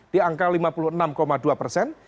di angka lima puluh enam dua persen